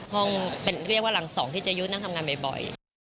เรียกว่าหลังสองที่เจยุทธ์นั่งทำงานบ่อย